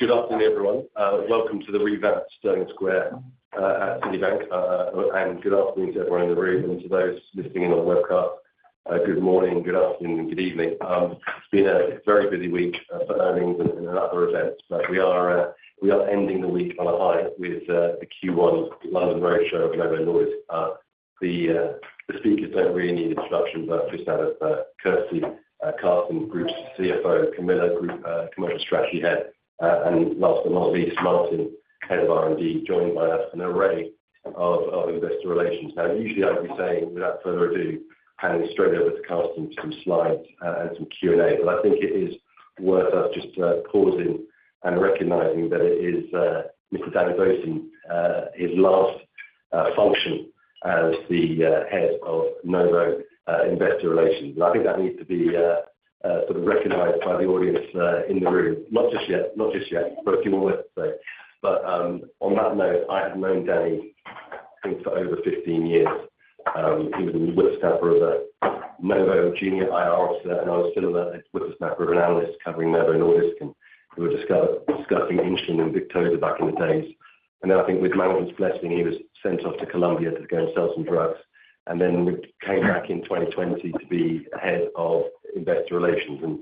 Good afternoon, everyone. Welcome to the event at Stirling Square at Citibank, and good afternoon to everyone in the room. To those listening in on the webcast, good morning, good afternoon, and good evening. It's been a very busy week for earnings and other events, but we are ending the week on a high with the Q1 London Roadshow of Novo Nordisk. The speakers don't really need introductions, but just out of courtesy, Karsten, Group's CFO, Camilla, Group Commercial Strategy Head, and last but not least, Martin, Head of R&D, joined by us an array of Investor Relations. Now, usually I'd be saying, without further ado, handing straight over to Karsten for some slides and some Q&A, but I think it is worth us just pausing and recognizing that it is Mr. Daniel Bohsen, his last function as the Head of Novo Investor Relations. And I think that needs to be sort of recognized by the audience in the room. Not just yet. Not just yet. But it's almost safe. But on that note, I have known Danny for over 15 years. He was the whip-smart Novo Junior IR Officer, and I was still the whip-smart analyst covering Novo Nordisk, and we were discussing insulin and Victoza back in the days. And then I think with management's blessing, he was sent off to Colombia to go and sell some drugs, and then came back in 2020 to be Head of Investor Relations. And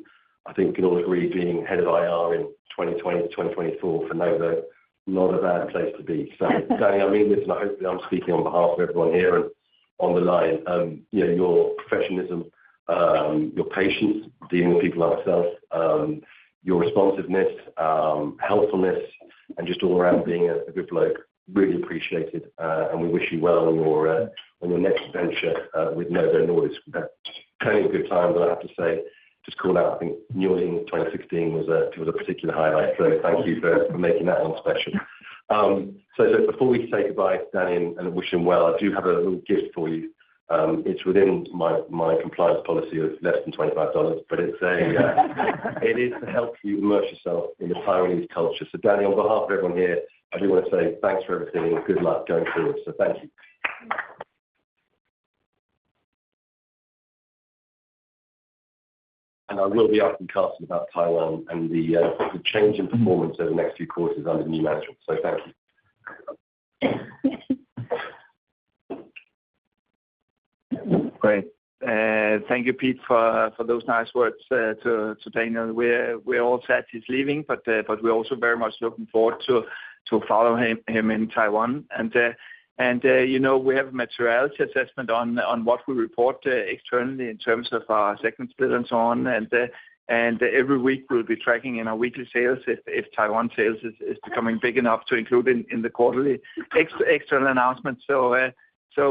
I think we can all agree, being head of IR in 2020 to 2024 for Novo, not a bad place to be. So Danny, I mean this, and I hope that I'm speaking on behalf of everyone here and on the line. Your professionalism, your patience dealing with people like myself, your responsiveness, helpfulness, and just all around being a good bloke, really appreciated. We wish you well on your next venture with Novo Nordisk. That's plenty of good time, but I have to say, just call out, I think New Orleans 2016 was a particular highlight. So thank you for making that one special. So before we say goodbye, Danny, and wish him well, I do have a little gift for you. It's within my compliance policy of less than $25, but it is to help you immerse yourself in the Taiwanese culture. So Danny, on behalf of everyone here, I do want to say thanks for everything and good luck going forward. So thank you. I will be asking Karsten about Taiwan and the change in performance over the next few quarters under new management. So thank you. Great. Thank you, Pete, for those nice words to Daniel. We're all set. He's leaving, but we're also very much looking forward to following him in Taiwan. We have a materiality assessment on what we report externally in terms of our segment split and so on. Every week, we'll be tracking in our weekly sales if Taiwan sales is becoming big enough to include in the quarterly external announcements. So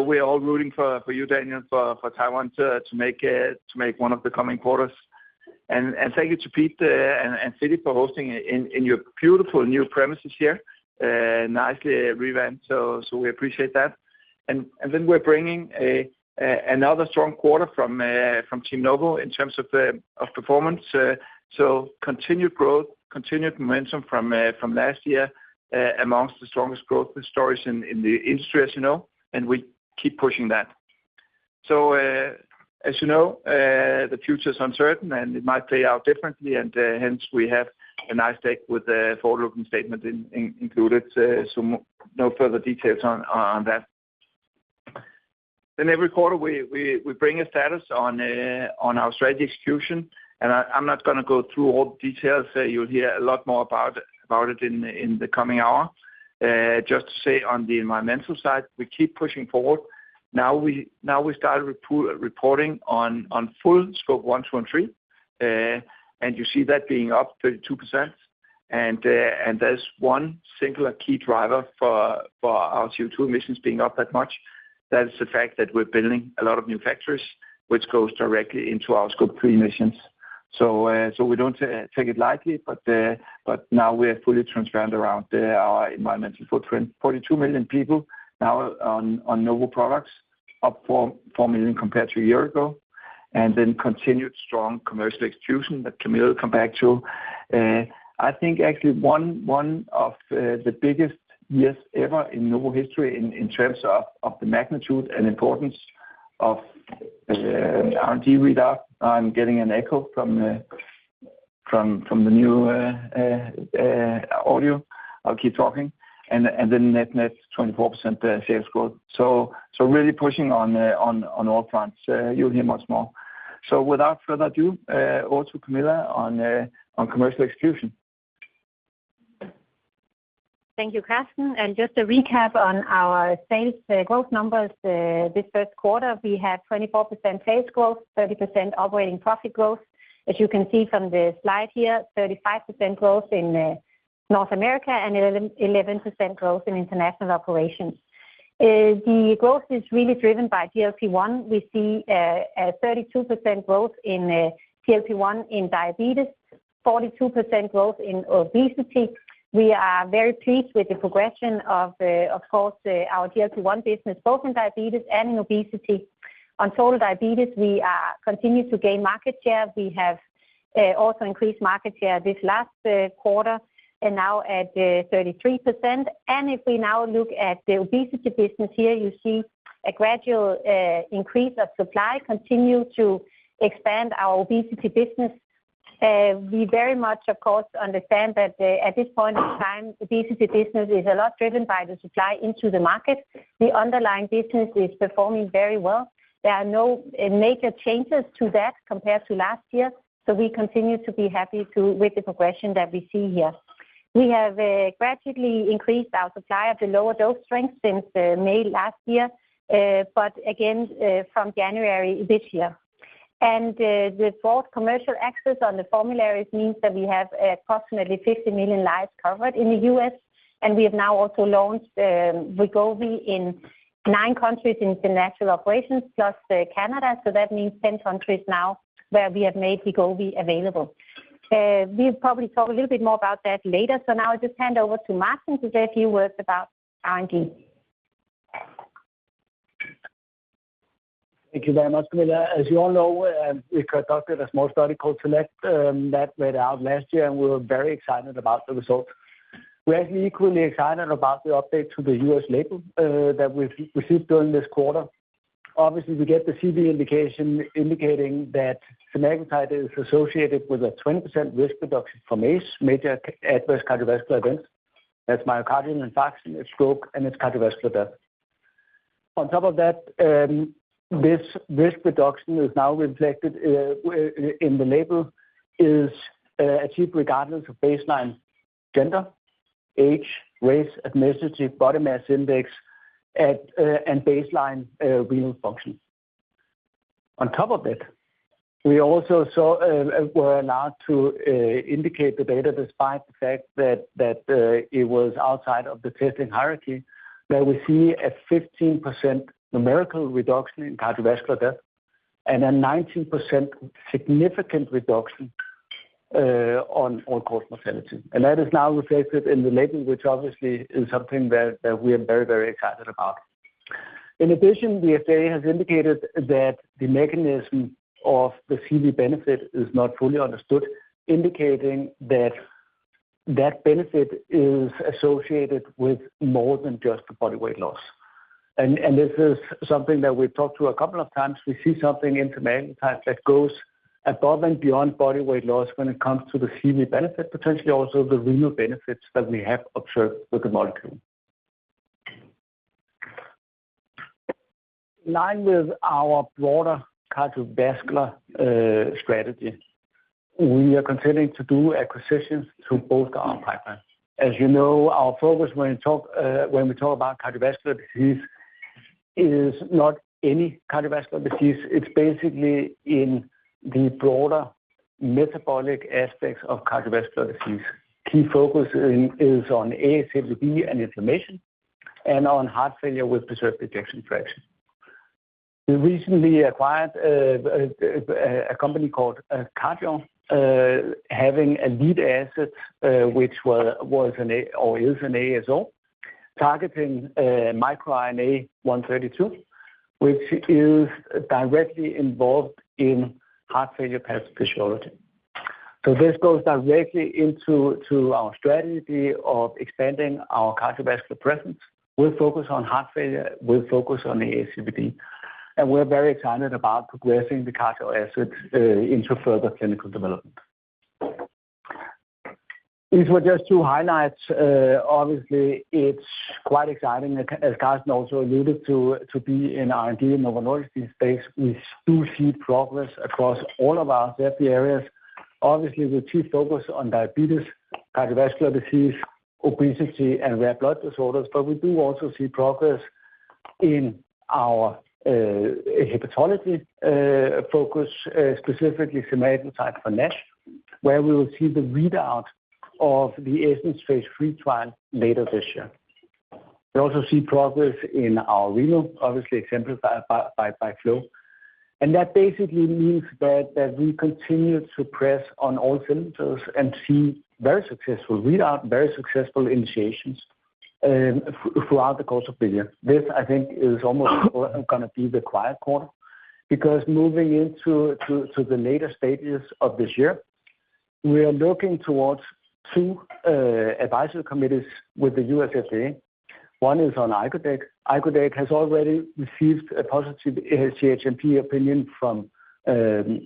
we're all rooting for you, Daniel, for Taiwan to make one of the coming quarters. Thank you to Pete and Citi for hosting in your beautiful new premises here. Nicely renovated, so we appreciate that. Then we're bringing another strong quarter from Team Novo in terms of performance. Continued growth, continued momentum from last year among the strongest growth stories in the industry, as you know, and we keep pushing that. So as you know, the future is uncertain, and it might play out differently, and hence we have a nice deck with a forward-looking statement included. So no further details on that. Then every quarter, we bring a status on our strategy execution, and I'm not going to go through all the details. You'll hear a lot more about it in the coming hour. Just to say on the environmental side, we keep pushing forward. Now we started reporting on full scope one, two, and three, and you see that being up 32%. And there's one singular key driver for our CO2 emissions being up that much. That is the fact that we're building a lot of new factories, which goes directly into our scope three emissions. So we don't take it lightly, but now we are fully transparent around our environmental footprint. 42 million people now on Novo products, up 4 million compared to a year ago, and then continued strong commercial execution that Camilla will come back to. I think actually one of the biggest years ever in Novo history in terms of the magnitude and importance of R&D readout. I'm getting an echo from the new audio. I'll keep talking. And then net-net 24% sales growth. So really pushing on all fronts. You'll hear much more. So without further ado, over to Camilla on commercial execution. Thank you, Karsten. Just to recap on our sales growth numbers this first quarter, we had 24% sales growth, 30% operating profit growth. As you can see from the slide here, 35% growth in North America and 11% growth in international operations. The growth is really driven by GLP-1. We see 32% growth in GLP-1 in diabetes, 42% growth in obesity. We are very pleased with the progression of, of course, our GLP-1 business, both in diabetes and in obesity. On total diabetes, we continue to gain market share. We have also increased market share this last quarter and now at 33%. If we now look at the obesity business here, you see a gradual increase of supply, continue to expand our obesity business. We very much, of course, understand that at this point in time, obesity business is a lot driven by the supply into the market. The underlying business is performing very well. There are no major changes to that compared to last year, so we continue to be happy with the progression that we see here. We have gradually increased our supply of the lower dose strength since May last year, but again from January this year. The broad commercial access on the formularies means that we have approximately 50 million lives covered in the U.S., and we have now also launched Wegovy in nine countries in international operations, plus Canada. That means 10 countries now where we have made Wegovy available. We'll probably talk a little bit more about that later. Now I'll just hand over to Martin to say a few words about R&D. Thank you very much, Camilla. As you all know, we conducted a small study called SELECT. That read out last year, and we were very excited about the results. We're actually equally excited about the update to the U.S. label that we've received during this quarter. Obviously, we get the CV indication indicating that semaglutide is associated with a 20% risk reduction for MACE, major adverse cardiovascular events. That's myocardial infarction, a stroke, and it's cardiovascular death. On top of that, this risk reduction is now reflected in the label is achieved regardless of baseline gender, age, race, adiposity, body mass index, and baseline renal function. On top of that, we also were allowed to indicate the data despite the fact that it was outside of the testing hierarchy, that we see a 15% numerical reduction in cardiovascular death and a 19% significant reduction on all-cause mortality. That is now reflected in the label, which obviously is something that we are very, very excited about. In addition, the FDA has indicated that the mechanism of the CV benefit is not fully understood, indicating that that benefit is associated with more than just the body weight loss. And this is something that we've talked to a couple of times. We see something in semaglutide that goes above and beyond body weight loss when it comes to the CV benefit, potentially also the renal benefits that we have observed with the molecule. In line with our broader cardiovascular strategy, we are considering to do acquisitions through both our pipelines. As you know, our focus when we talk about cardiovascular disease is not any cardiovascular disease. It's basically in the broader metabolic aspects of cardiovascular disease. Key focus is on ASCVD and inflammation and on heart failure with preserved ejection fraction. We recently acquired a company called Cardior, having a lead asset which was or is an ASO targeting microRNA 132, which is directly involved in heart failure pathophysiology. So this goes directly into our strategy of expanding our cardiovascular presence with focus on heart failure, with focus on ASCVD. And we're very excited about progressing the Cardior assets into further clinical development. These were just two highlights. Obviously, it's quite exciting, as Karsten also alluded to, to be in R&D in Novo Nordisk's space. We do see progress across all of our CVD areas. Obviously, with chief focus on diabetes, cardiovascular disease, obesity, and rare blood disorders, but we do also see progress in our hepatology focus, specifically semaglutide for NASH, where we will see the readout of the ESSENCE phase III trial later this year. We also see progress in our renal, obviously exemplified by FLOW. And that basically means that we continue to press on all cylinders and see very successful readout, very successful initiations throughout the course of the year. This, I think, is almost going to be the quiet quarter because moving into the later stages of this year, we are looking towards two advisory committees with the U.S. FDA. One is on icodec. Icodec has already received a positive CHMP opinion from the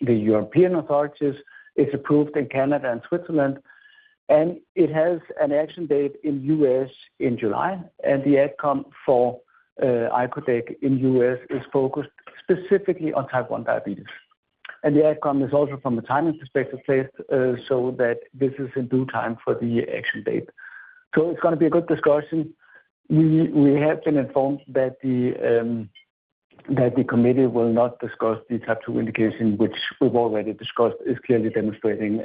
European authorities. It's approved in Canada and Switzerland, and it has an action date in the U.S. in July. The outcome for insulin icodec in the US is focused specifically on type 1 diabetes. The outcome is also from a timing perspective placed so that this is in due time for the action date. So it's going to be a good discussion. We have been informed that the committee will not discuss the type 2 indication, which we've already discussed, is clearly demonstrating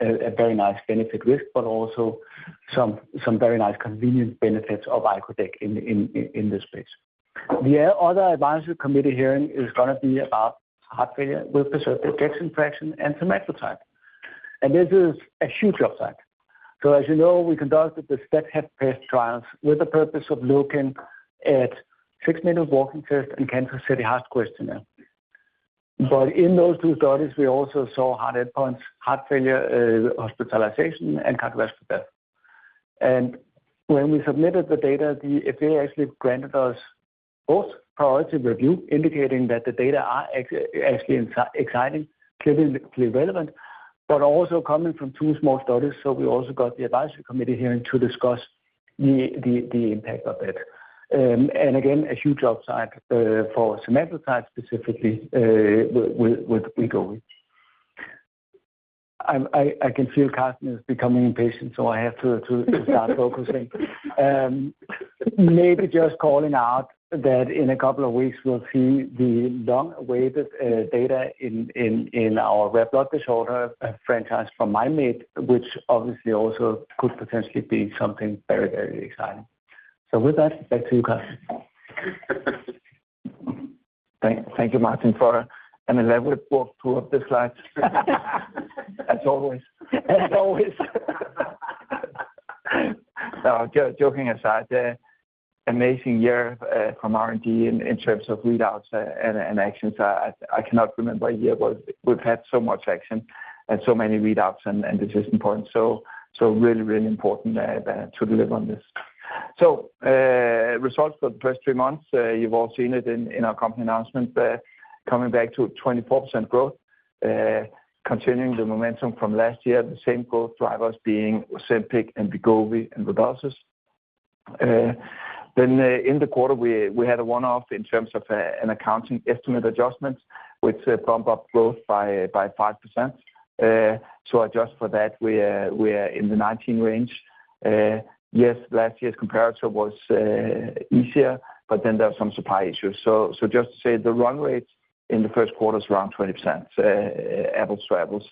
a very nice benefit risk, but also some very nice convenient benefits of insulin icodec in this space. The other advisory committee hearing is going to be about heart failure with preserved ejection fraction and semaglutide. This is a huge upside. So as you know, we conducted the STEP-HFpEF trials with the purpose of looking at six minute walk test and Kansas City Cardiomyopathy Questionnaire. But in those two studies, we also saw heart endpoints, heart failure hospitalization, and cardiovascular death. When we submitted the data, the FDA actually granted us both priority review, indicating that the data are actually exciting, clinically relevant, but also coming from two small studies. We also got the advisory committee hearing to discuss the impact of that. Again, a huge upside for semaglutide specifically with Wegovy. I can feel Karsten is becoming impatient, so I have to start focusing. Maybe just calling out that in a couple of weeks, we'll see the long-awaited data in our rare blood disorder franchise from Mim8, which obviously also could potentially be something very, very exciting. With that, back to you, Karsten. Thank you, Martin, for an elaborate walkthrough of the slides. As always. As always. No, joking aside, amazing year from R&D in terms of readouts and actions. I cannot remember a year where we've had so much action and so many readouts, and this is important. So really, really important to deliver on this. So results for the first three months, you've all seen it in our company announcements, coming back to 24% growth, continuing the momentum from last year, the same growth drivers being Ozempic and Wegovy and Rybelsus. Then in the quarter, we had a one-off in terms of an accounting estimate adjustment, which bumped up growth by 5%. So just for that, we are in the 19% range. Yes, last year's comparator was easier, but then there were some supply issues. So just to say, the run rates in the first quarter is around 20%, apples-to-apples.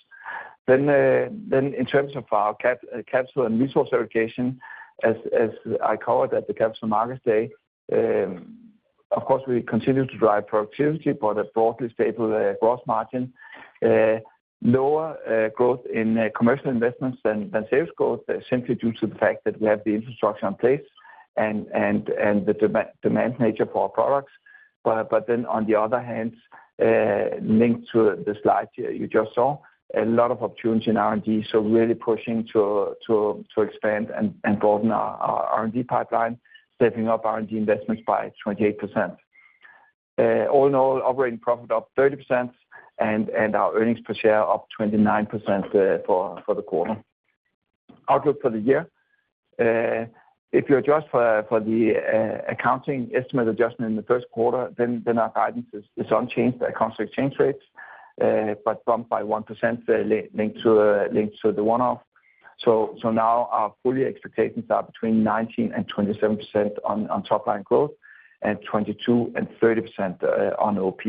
Then in terms of our capital and resource allocation, as I covered at the Capital Markets Day, of course, we continue to drive productivity but a broadly stable gross margin, lower growth in commercial investments than sales growth, simply due to the fact that we have the infrastructure in place and the demand nature for our products. But then on the other hand, linked to the slide you just saw, a lot of opportunity in R&D, so really pushing to expand and broaden our R&D pipeline, stepping up R&D investments by 28%. All in all, operating profit up 30% and our earnings per share up 29% for the quarter. Outlook for the year. If you adjust for the accounting estimate adjustment in the first quarter, then our guidance is unchanged, accounts for exchange rates, but bumped by 1% linked to the one-off. So now our full-year expectations are between 19% and 27% on top-line growth and 22% and 30% on OP.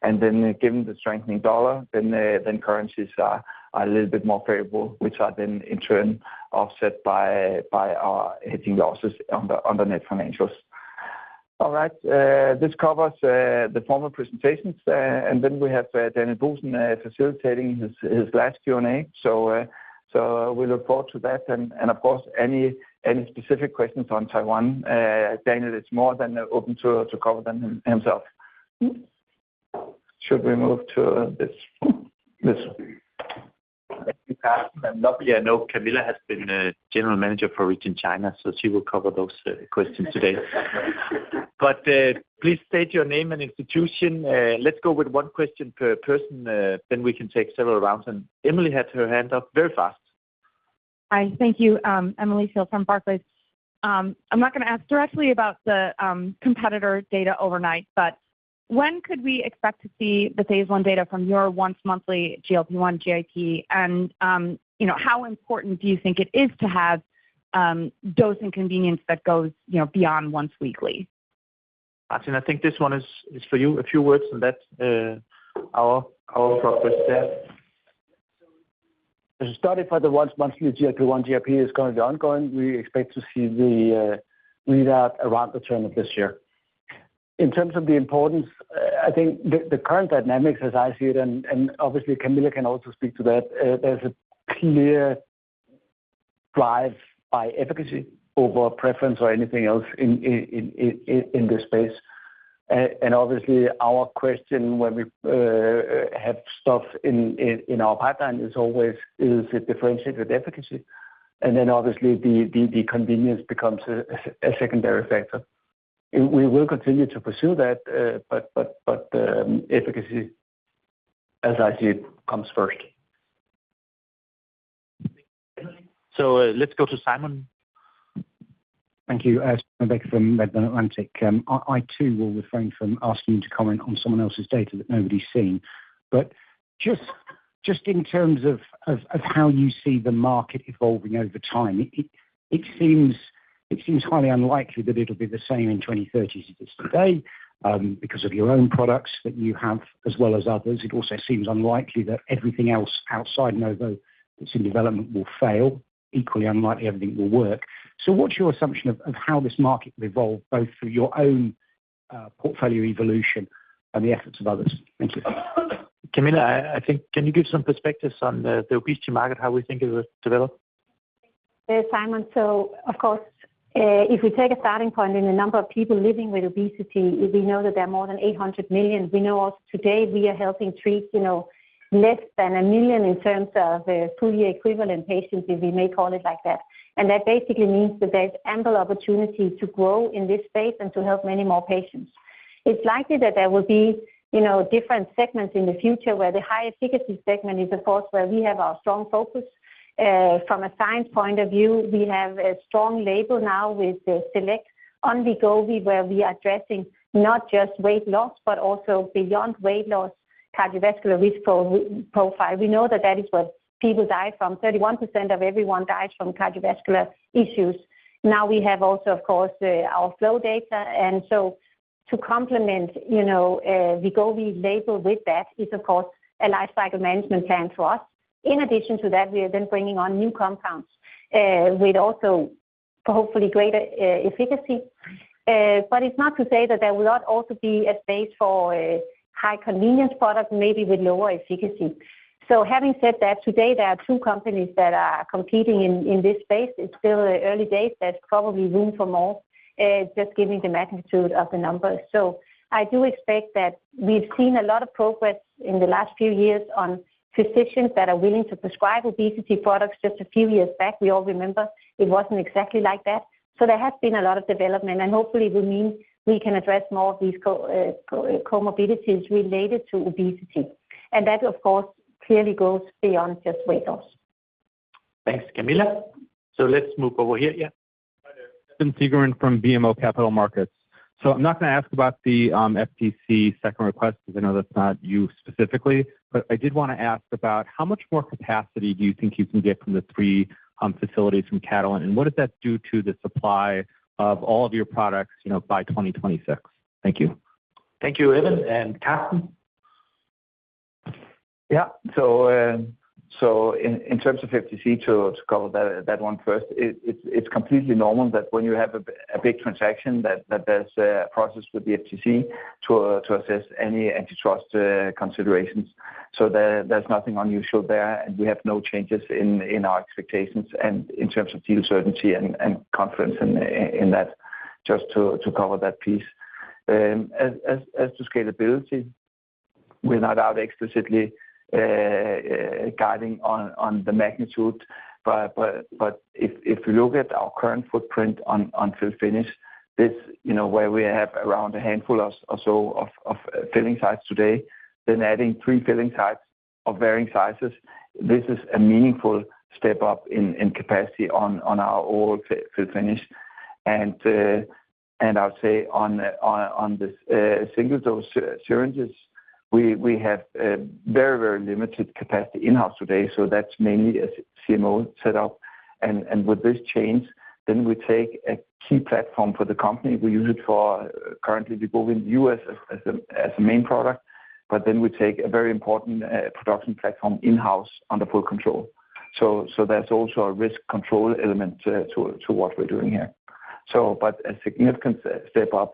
And then given the strengthening US dollar, then currencies are a little bit more favorable, which are then in turn offset by hedging losses on the net financials. All right. This covers the formal presentations. And then we have Daniel Bohsen facilitating his last Q&A. So we look forward to that. And of course, any specific questions on Taiwan, Daniel is more than open to cover them himself. Should we move to this? Thank you, Karsten. And lovely. I know Camilla has been General Manager for Region China, so she will cover those questions today. But please state your name and institution. Let's go with one question per person, then we can take several rounds. And Emily had her hand up very fast. Hi. Thank you, Emily Field from Barclays. I'm not going to ask directly about the competitor data overnight, but when could we expect to see the phase I data from your once-monthly GLP-1 GIP, and how important do you think it is to have dose and convenience that goes beyond once weekly? Martin, I think this one is for you. A few words on that. Our focus there. The study for the once-monthly GLP-1 GIP is going to be ongoing. We expect to see the readout around the turn of this year. In terms of the importance, I think the current dynamics, as I see it, and obviously, Camilla can also speak to that, there's a clear drive by efficacy over preference or anything else in this space. And obviously, our question when we have stuff in our pipeline is always, is it differentiated with efficacy? And then obviously, the convenience becomes a secondary factor. We will continue to pursue that, but efficacy, as I see it, comes first. Let's go to Simon. Thank you, Simon Baker from Redburn Atlantic. I too will refrain from asking you to comment on someone else's data that nobody's seen. But just in terms of how you see the market evolving over time, it seems highly unlikely that it'll be the same in 2030 as it is today because of your own products that you have as well as others. It also seems unlikely that everything else outside Novo that's in development will fail. Equally unlikely, everything will work. So what's your assumption of how this market will evolve both through your own portfolio evolution and the efforts of others? Thank you. Camilla, I think, can you give some perspectives on the obesity market, how we think it will develop? There, Simon. So of course, if we take a starting point in the number of people living with obesity, we know that there are more than 800 million. We know also today we are helping treat less than 1 million in terms of full-year equivalent patients, if we may call it like that. And that basically means that there's ample opportunity to grow in this space and to help many more patients. It's likely that there will be different segments in the future where the high efficacy segment is, of course, where we have our strong focus. From a science point of view, we have a strong label now with SELECT on Wegovy, where we are addressing not just weight loss but also beyond weight loss, cardiovascular risk profile. We know that that is what people die from. 31% of everyone dies from cardiovascular issues. Now we have also, of course, our FLOW data. And so to complement Wegovy label with that is, of course, a lifecycle management plan for us. In addition to that, we are then bringing on new compounds with also hopefully greater efficacy. But it's not to say that there will not also be a space for high convenience products, maybe with lower efficacy. So having said that, today there are two companies that are competing in this space. It's still early days. There's probably room for more, just given the magnitude of the numbers. So I do expect that we've seen a lot of progress in the last few years on physicians that are willing to prescribe obesity products. Just a few years back, we all remember, it wasn't exactly like that. There has been a lot of development, and hopefully, it will mean we can address more of these comorbidities related to obesity. That, of course, clearly goes beyond just weight loss. Thanks, Camilla. So let's move over here, yeah. Evan Seigerman from BMO Capital Markets. So I'm not going to ask about the FTC second request because I know that's not you specifically, but I did want to ask about how much more capacity do you think you can get from the three facilities from Catalent, and what does that do to the supply of all of your products by 2026? Thank you. Thank you, Evan. And Karsten? Yeah. So in terms of FTC, to cover that one first, it's completely normal that when you have a big transaction, that there's a process with the FTC to assess any antitrust considerations. So there's nothing unusual there, and we have no changes in our expectations and in terms of deal certainty and confidence in that, just to cover that piece. As to scalability, we're not out explicitly guiding on the magnitude. But if you look at our current footprint on fill-finish, where we have around a handful or so of filling sites today, then adding three filling sites of varying sizes, this is a meaningful step up in capacity on our fill-finish. And I would say on the single-dose syringes, we have very, very limited capacity in-house today. So that's mainly a CMO setup. And with this change, then we take a key platform for the company. We use it for currently Wegovy in the U.S. as a main product, but then we take a very important production platform in-house under full control. So there's also a risk control element to what we're doing here. But a significant step up.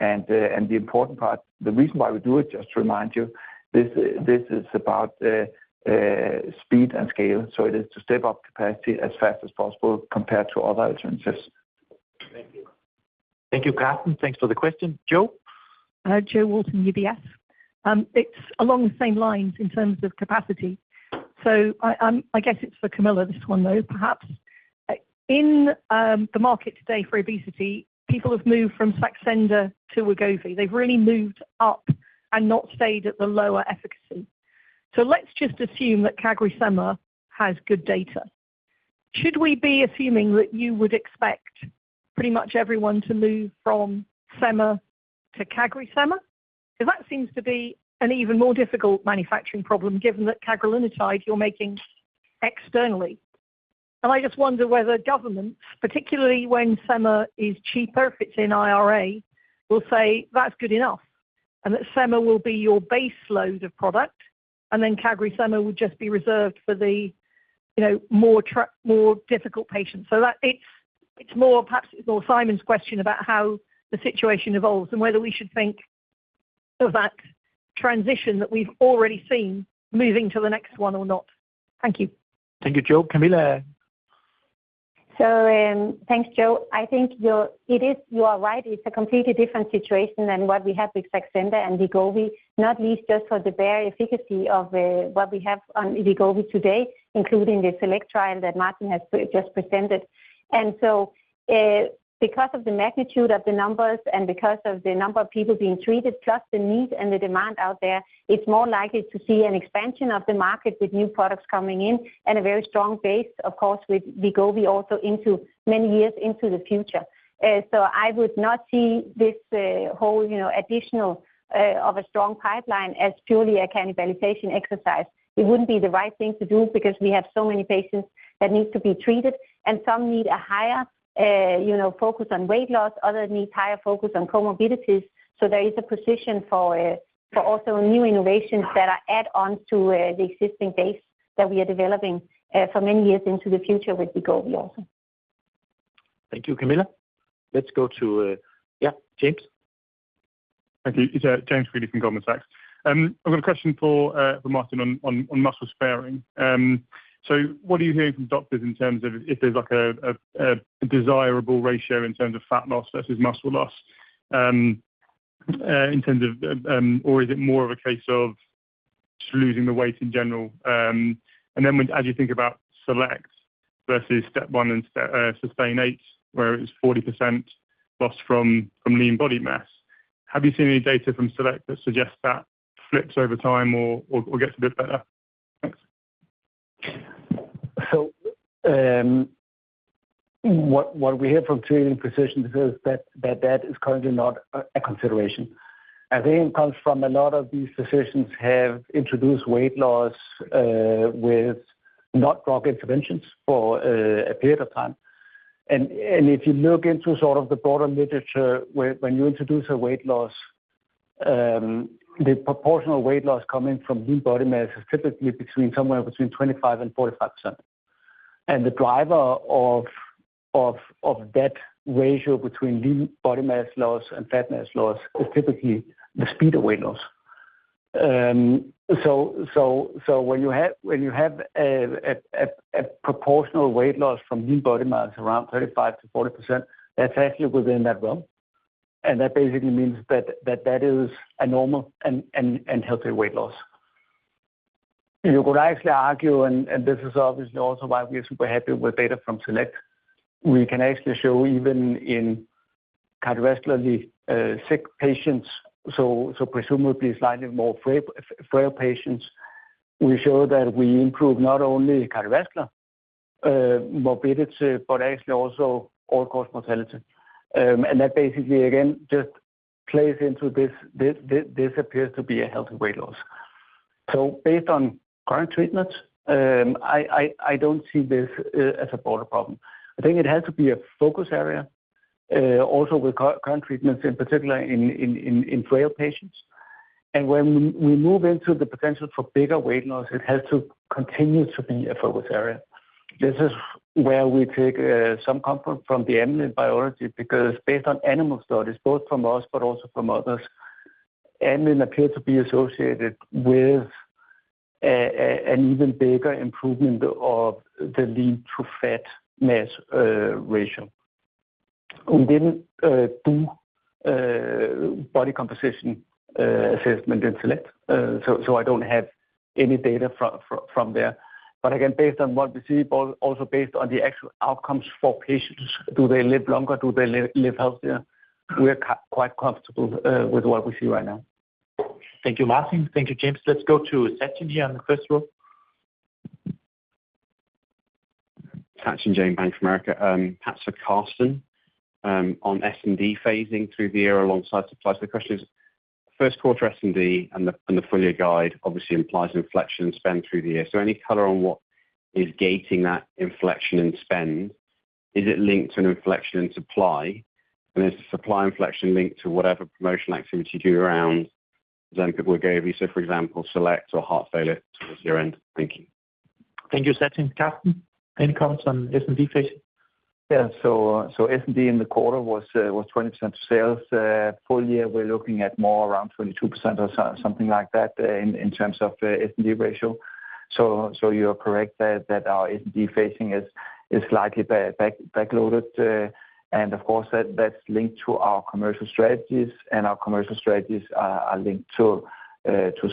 And the important part, the reason why we do it, just to remind you, this is about speed and scale. So it is to step up capacity as fast as possible compared to other alternatives. Thank you. Thank you, Karsten. Thanks for the question. Jo? Jo Walton, UBS. It's along the same lines in terms of capacity. So I guess it's for Camilla, this one, though, perhaps. In the market today for obesity, people have moved from Saxenda to Wegovy. They've really moved up and not stayed at the lower efficacy. So let's just assume that CagriSema has good data. Should we be assuming that you would expect pretty much everyone to move from semaglutide to CagriSema? Because that seems to be an even more difficult manufacturing problem given that cagrilintide you're making externally. And I just wonder whether governments, particularly when semaglutide is cheaper, if it's in IRA, will say, "That's good enough," and that semaglutide will be your base load of product, and then CagriSema would just be reserved for the more difficult patients. So perhaps it's more Simon's question about how the situation evolves and whether we should think of that transition that we've already seen moving to the next one or not. Thank you. Thank you, Jo. Camilla? So thanks, Jo. I think you are right. It's a completely different situation than what we have with Saxenda and Wegovy, not least just for the bare efficacy of what we have on Wegovy today, including the SELECT trial that Martin has just presented. And so because of the magnitude of the numbers and because of the number of people being treated, plus the need and the demand out there, it's more likely to see an expansion of the market with new products coming in and a very strong base, of course, with Wegovy also many years into the future. So I would not see this whole addition of a strong pipeline as purely a cannibalization exercise. It wouldn't be the right thing to do because we have so many patients that need to be treated, and some need a higher focus on weight loss, others need higher focus on comorbidities. So there is a position for also new innovations that are add-ons to the existing base that we are developing for many years into the future with Wegovy also. Thank you, Camilla. Let's go to, yeah, James. Thank you. James Quigley from Goldman Sachs. I've got a question for Martin on muscle sparing. So what are you hearing from doctors in terms of if there's a desirable ratio in terms of fat loss versus muscle loss, or is it more of a case of just losing the weight in general? And then as you think about SELECT versus STEP 1 and SUSTAIN 8, where it's 40% loss from lean body mass, have you seen any data from SELECT that suggests that flips over time or gets a bit better? So what we hear from treating physicians is that that is currently not a consideration. I think it comes from a lot of these physicians have introduced weight loss with not-drug interventions for a period of time. And if you look into sort of the broader literature, when you introduce a weight loss, the proportional weight loss coming from lean body mass is typically somewhere between 25% and 45%. And the driver of that ratio between lean body mass loss and fat mass loss is typically the speed of weight loss. So when you have a proportional weight loss from lean body mass around 35%-40%, that's actually within that realm. And that basically means that that is a normal and healthy weight loss. You could actually argue, and this is obviously also why we are super happy with data from SELECT. We can actually show even in cardiovascularly sick patients, so presumably slightly more frail patients, we show that we improve not only cardiovascular morbidity but actually also all-cause mortality. And that basically, again, just plays into this appears to be a healthy weight loss. So based on current treatments, I don't see this as a broader problem. I think it has to be a focus area also with current treatments, in particular in frail patients. And when we move into the potential for bigger weight loss, it has to continue to be a focus area. This is where we take some comfort from the animal biology because based on animal studies, both from us but also from others, animals appear to be associated with an even bigger improvement of the lean-to-fat mass ratio. We didn't do body composition assessment in SELECT, so I don't have any data from there. But again, based on what we see, also based on the actual outcomes for patients, do they live longer? Do they live healthier? We are quite comfortable with what we see right now. Thank you, Martin. Thank you, James. Let's go to Sachin here on the first row. Sachin Jain, Bank of America. Perhaps a Karsten on S&D phasing through the year alongside supply. So the question is, first quarter S&D and the full-year guide obviously implies inflection and spend through the year. So any color on what is gating that inflection and spend, is it linked to an inflection in supply? And is the supply inflection linked to whatever promotional activity you do around Ozempic, Wegovy? So, for example, SELECT or Heart Failure towards your end. Thank you. Thank you, Sachin. Karsten, any comments on S&D phasing? Yeah. So S&D in the quarter was 20% of sales. Full-year, we're looking at more around 22% or something like that in terms of S&D ratio. So you are correct that our S&D phasing is slightly backloaded. And of course, that's linked to our commercial strategies, and our commercial strategies are linked to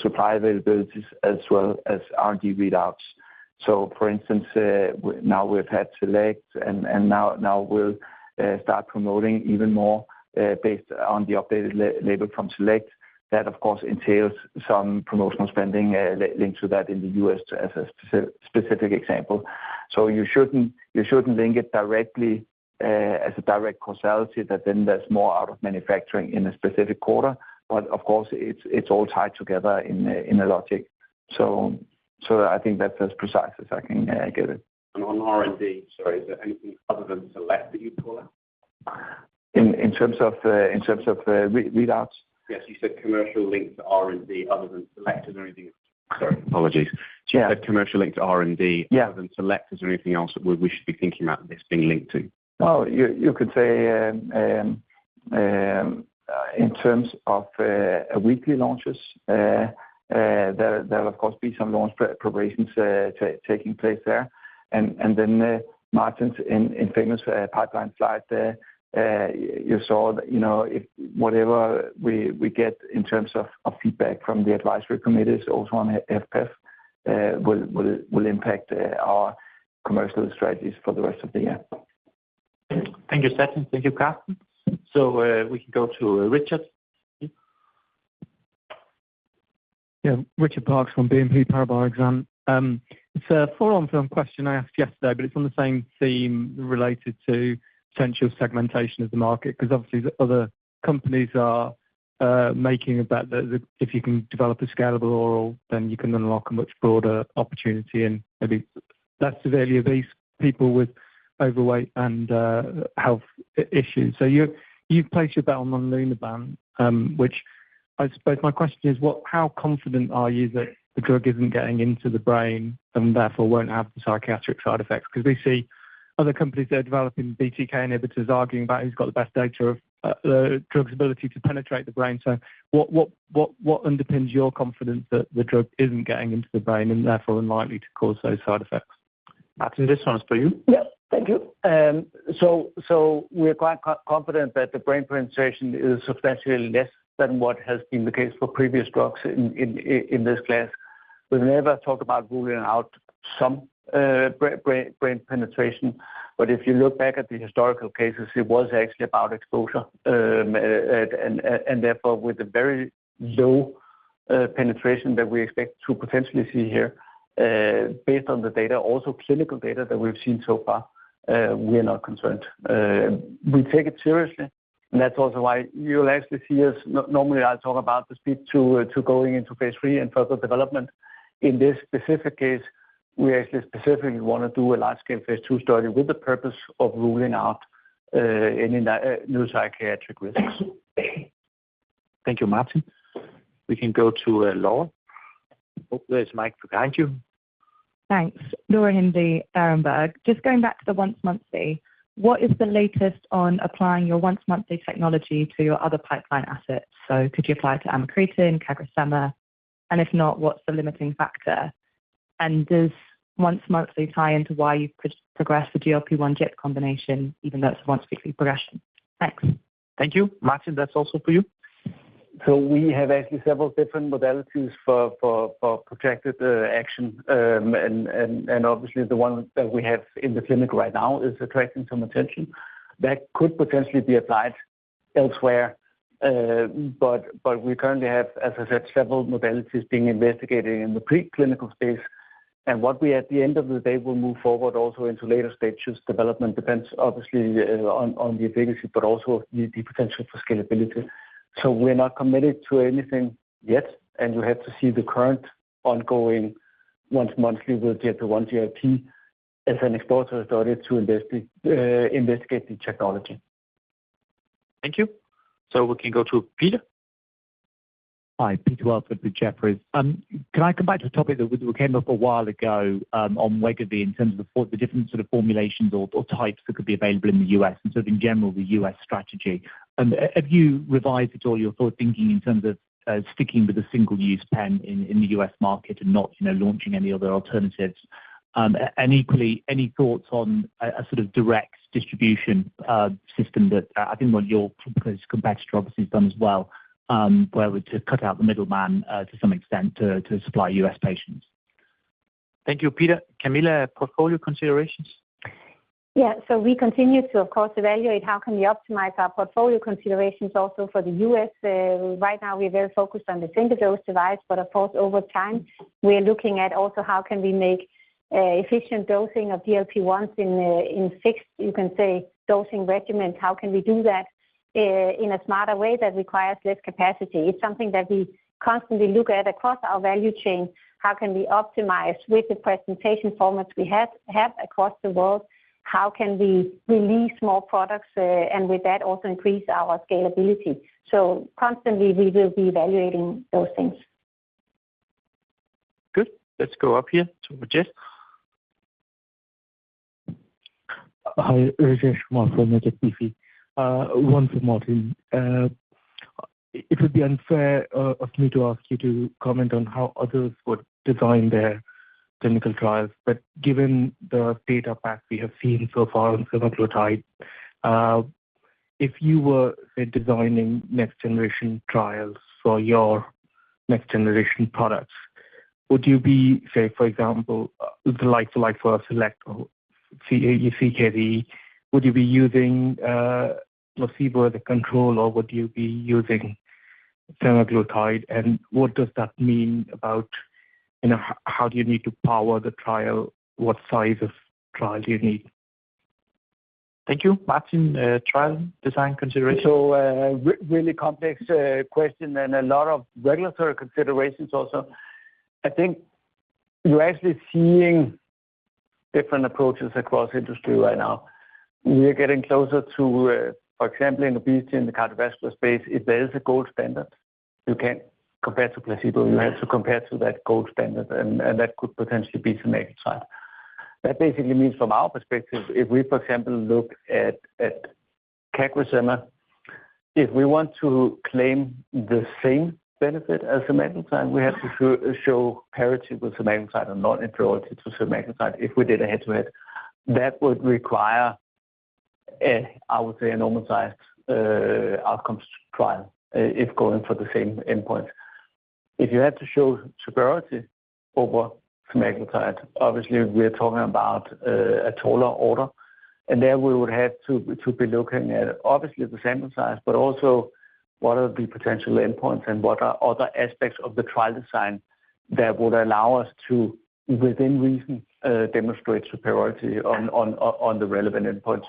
supply availabilities as well as R&D readouts. So, for instance, now we've had SELECT, and now we'll start promoting even more based on the updated label from SELECT. That, of course, entails some promotional spending linked to that in the U.S. as a specific example. So you shouldn't link it directly as a direct causality that then there's more out of manufacturing in a specific quarter. But of course, it's all tied together in a logic. So I think that's as precise as I can get it. On R&D, sorry, is there anything other than SELECT that you'd pull out? In terms of readouts? Yes. You said commercial linked to R&D other than SELECT or anything else? Sorry. Apologies. You said commercial linked to R&D other than SELECT. Is there anything else that we should be thinking about this being linked to? Oh, you could say in terms of weekly launches, there'll, of course, be some launch preparations taking place there. And then Martin's infamous pipeline slide there, you saw that whatever we get in terms of feedback from the advisory committees, also on HFpEF, will impact our commercial strategies for the rest of the year. Thank you, Sachin. Thank you, Karsten. So we can go to Richard. Yeah. Richard Parkes from BNP Paribas. And it's a full-on follow-up question I asked yesterday, but it's on the same theme related to potential segmentation of the market because obviously, other companies are making a bet that if you can develop a scalable oral, then you can unlock a much broader opportunity. And maybe that's severely obese, people with overweight and health issues. So you've placed your bet on monlunabant, which I suppose my question is, how confident are you that the drug isn't getting into the brain and therefore won't have the psychiatric side effects? Because we see other companies that are developing BTK inhibitors arguing about who's got the best data of the drug's ability to penetrate the brain. So what underpins your confidence that the drug isn't getting into the brain and therefore unlikely to cause those side effects? Martin, this one's for you. Yeah. Thank you. So we're quite confident that the brain penetration is substantially less than what has been the case for previous drugs in this class. We've never talked about ruling out some brain penetration. But if you look back at the historical cases, it was actually about exposure. And therefore, with the very low penetration that we expect to potentially see here, based on the data, also clinical data that we've seen so far, we are not concerned. We take it seriously, and that's also why you'll actually see us normally. I'll talk about the speed to going into phase III and further development. In this specific case, we actually specifically want to do a large-scale phase II study with the purpose of ruling out any new psychiatric risks. Thank you, Martin. We can go to Laura. Hope there's a mic behind you. Thanks. Laura Hindley, Berenberg. Just going back to the once-monthly, what is the latest on applying your once-monthly technology to your other pipeline assets? So could you apply it to amycretin, CagriSema? And if not, what's the limiting factor? And does once-monthly tie into why you've progressed the GLP-1 GIP combination, even though it's a once-weekly progression? Thanks. Thank you. Martin, that's also for you. So we have actually several different modalities for protected action. And obviously, the one that we have in the clinic right now is attracting some attention. That could potentially be applied elsewhere. But we currently have, as I said, several modalities being investigated in the preclinical space. And what we at the end of the day will move forward also into later stages development depends, obviously, on the efficacy but also the potential for scalability. So we're not committed to anything yet. And you have to see the current ongoing once-monthly with GLP-1 GIP as an exposure study to investigate the technology. Thank you. So we can go to Peter. Hi. Peter Welford with Jefferies. Can I come back to a topic that came up a while ago on Wegovy in terms of the different sort of formulations or types that could be available in the U.S. and sort of in general the U.S. strategy? Have you revised at all your thinking in terms of sticking with a single-use pen in the U.S. market and not launching any other alternatives? Equally, any thoughts on a sort of direct distribution system that I think what your competitor obviously has done as well, where we're to cut out the middleman to some extent to supply U.S. patients? Thank you, Peter. Camilla, portfolio considerations? Yeah. So we continue to, of course, evaluate how can we optimize our portfolio considerations also for the U.S. Right now, we're very focused on the single-dose device. But of course, over time, we're looking at also how can we make efficient dosing of GLP-1s in fixed, you can say, dosing regimens? How can we do that in a smarter way that requires less capacity? It's something that we constantly look at across our value chain. How can we optimize with the presentation formats we have across the world? How can we release more products and with that also increase our scalability? So constantly, we will be evaluating those things. Good. Let's go up here to Rajesh. Hi, Rajesh Kumar from HSBC. One for Martin. It would be unfair of me to ask you to comment on how others would design their clinical trials. But given the data path we have seen so far on semaglutide, if you were, say, designing next-generation trials for your next-generation products, would you be, say, for example, the like for SELECT or CKD, would you be using placebo as a control, or would you be using semaglutide? And what does that mean about how do you need to power the trial? What size of trial do you need? Thank you. Martin, trial design considerations? So really complex question and a lot of regulatory considerations also. I think you're actually seeing different approaches across industry right now. We are getting closer to, for example, in obesity in the cardiovascular space, if there is a gold standard, you can compare to placebo. You have to compare to that gold standard, and that could potentially be the negative side. That basically means, from our perspective, if we, for example, look at CagriSema, if we want to claim the same benefit as semaglutide, we have to show parity with semaglutide and non-inferiority to semaglutide if we did a head-to-head. That would require, I would say, a normalized outcomes trial if going for the same endpoints. If you had to show superiority over semaglutide, obviously, we're talking about a taller order. There we would have to be looking at, obviously, the sample size, but also what are the potential endpoints and what are other aspects of the trial design that would allow us to, within reason, demonstrate superiority on the relevant endpoints.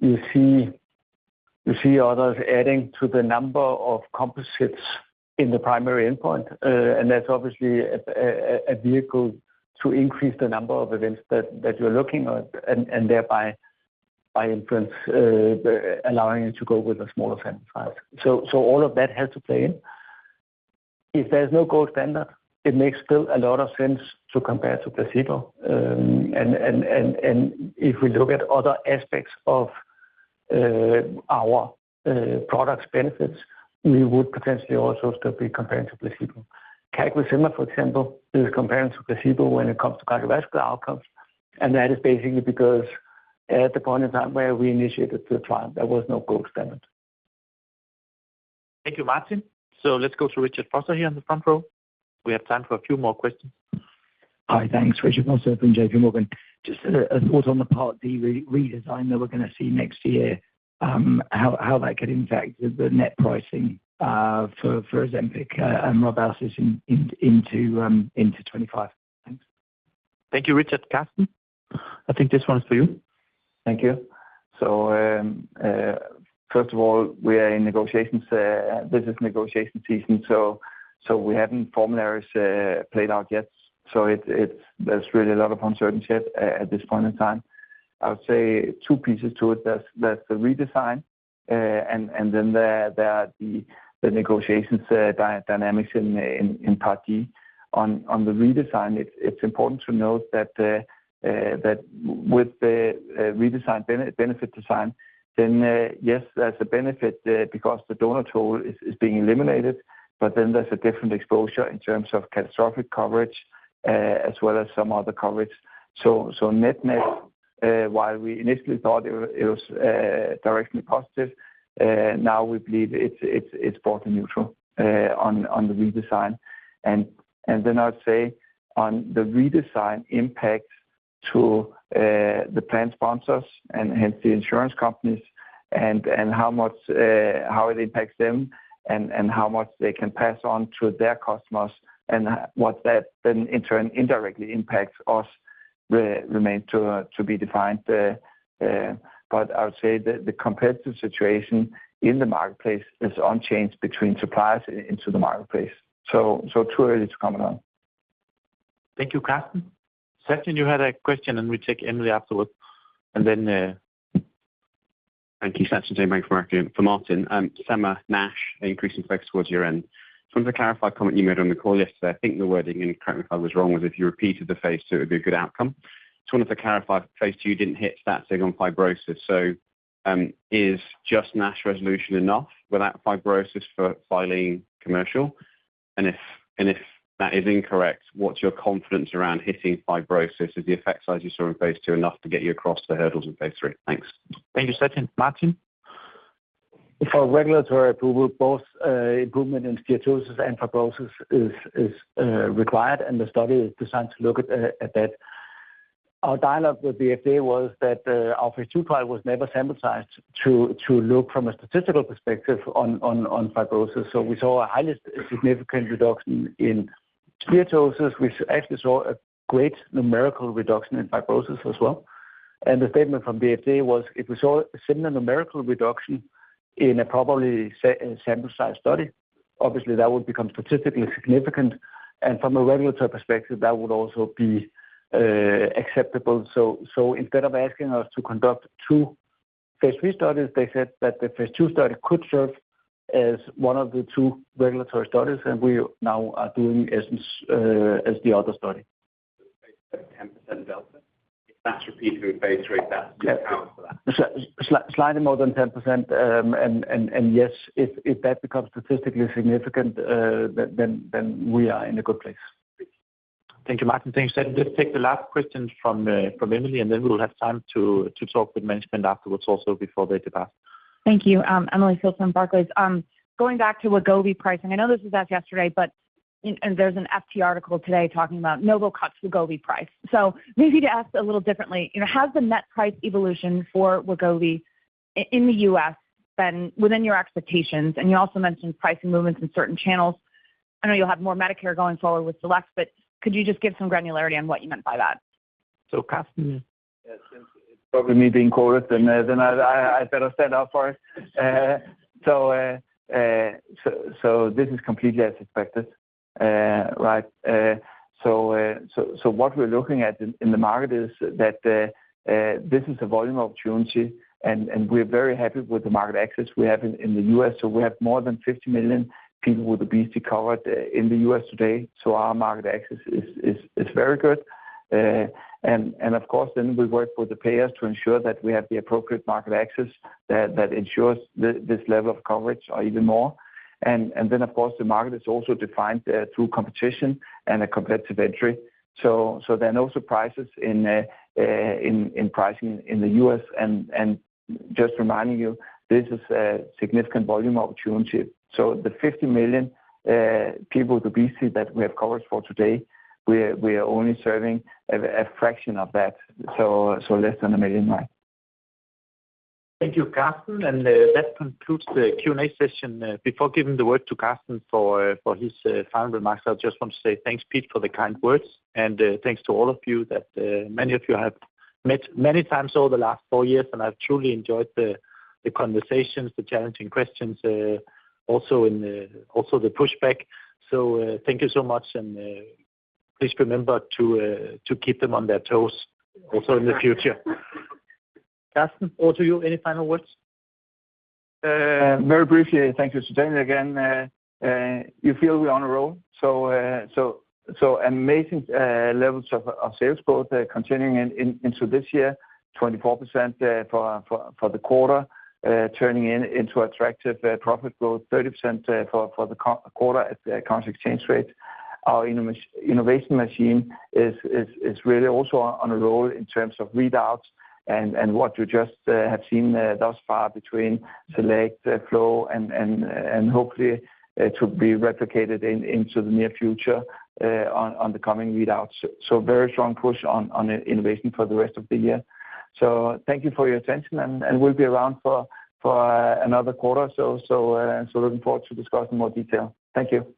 You see others adding to the number of composites in the primary endpoint. That's obviously a vehicle to increase the number of events that you're looking at and thereby allowing it to go with a smaller sample size. All of that has to play in. If there's no gold standard, it makes still a lot of sense to compare to placebo. If we look at other aspects of our product's benefits, we would potentially also still be comparing to placebo. CagriSema, for example, is comparing to placebo when it comes to cardiovascular outcomes. That is basically because at the point in time where we initiated the trial, there was no gold standard. Thank you, Martin. Let's go to Richard Vosser here on the front row. We have time for a few more questions. Hi. Thanks, Richard Vosser from JPMorgan. Just a thought on the Part D redesign that we're going to see next year, how that could impact the net pricing for Ozempic and Rybelsus into 2025. Thanks. Thank you, Richard. Karsten? I think this one is for you. Thank you. So first of all, we are in negotiations. This is negotiation season, so we haven't formularies played out yet. So there's really a lot of uncertainty at this point in time. I would say two pieces to it. There's the redesign, and then there are the negotiations dynamics in Part D. On the redesign, it's important to note that with the redesigned benefit design, then yes, there's a benefit because the donut hole is being eliminated. But then there's a different exposure in terms of catastrophic coverage as well as some other coverage. So net-net, while we initially thought it was directly positive, now we believe it's brought to neutral on the redesign. And then I'd say on the redesign impact to the plan sponsors and hence the insurance companies and how it impacts them and how much they can pass on to their customers and what that then, in turn, indirectly impacts us remains to be defined. But I would say the competitive situation in the marketplace is unchanged between suppliers into the marketplace. So too early to comment on. Thank you, Karsten. Sachin, you had a question, and we'll take Emily afterwards. And then. Thank you. Sachin Jain, Bank of America. For Martin, sema, NASH, increasing focus towards U.S. Just wanted to clarify a comment you made on the call yesterday. I think the wording, and correct me if I was wrong, was if you repeated the phase, so it would be a good outcome. Just wanted to clarify phase II, you didn't hit stat sig on fibrosis. So is just NASH resolution enough without fibrosis for filing commercial? And if that is incorrect, what's your confidence around hitting fibrosis? Is the effect size you saw in phase II enough to get you across the hurdles in phase III? Thanks. Thank you, Sachin. Martin? For regulatory approval, both improvement in steatosis and fibrosis is required, and the study is designed to look at that. Our dialogue with FDA was that our phase II trial was never sample-sized to look from a statistical perspective on fibrosis. So we saw a highly significant reduction in steatosis. We actually saw a great numerical reduction in fibrosis as well. And the statement from FDA was, "If we saw a similar numerical reduction in a properly sample-sized study, obviously, that would become statistically significant. And from a regulatory perspective, that would also be acceptable." So instead of asking us to conduct two phase III studies, they said that the phase II study could serve as one of the two regulatory studies. And we now are doing ESSENCE as the other study. Despite the 10% delta? If that's repeated in phase III, that's your power for that? Slightly more than 10%. Yes, if that becomes statistically significant, then we are in a good place. Thank you, Martin. Thanks, Sachin. Let's take the last question from Emily, and then we'll have time to talk with management afterwards also before they depart. Thank you. Emily Field from Barclays. Going back to Wegovy pricing, I know this was asked yesterday, but there's an FT article today talking about Novo cuts Wegovy price. So maybe to ask a little differently, has the net price evolution for Wegovy in the US been within your expectations? And you also mentioned pricing movements in certain channels. I know you'll have more Medicare going forward with SELECT, but could you just give some granularity on what you meant by that? So Karsten? Yeah. Since it's probably me being quoted, then I'd better stand out for it. So this is completely as expected, right? So what we're looking at in the market is that this is a volume opportunity, and we're very happy with the market access we have in the U.S. So we have more than 50 million people with obesity covered in the U.S. today. So our market access is very good. And of course, then we work with the payers to ensure that we have the appropriate market access that ensures this level of coverage or even more. And then, of course, the market is also defined through competition and a competitive entry. So there are no surprises in pricing in the U.S. And just reminding you, this is a significant volume opportunity. So the 50 million people with obesity that we have coverage for today, we are only serving a fraction of that, so less than 1 million, right? Thank you, Karsten. That concludes the Q&A session. Before giving the word to Karsten for his final remarks, I just want to say thanks, Pete, for the kind words. Thanks to all of you that many of you have met many times over the last four years. I've truly enjoyed the conversations, the challenging questions, also the pushback. Thank you so much. Please remember to keep them on their toes also in the future. Karsten, over to you. Any final words? Very briefly, thank you, Suzanne, again. You feel we're on a roll. So amazing levels of sales growth continuing into this year, 24% for the quarter, turning into attractive profit growth, 30% for the quarter at the constant exchange rate. Our innovation machine is really also on a roll in terms of readouts and what you just have seen thus far between SELECT, FLOW, and hopefully to be replicated into the near future on the coming readouts. So very strong push on innovation for the rest of the year. So thank you for your attention, and we'll be around for another quarter or so. So looking forward to discussing more detail. Thank you.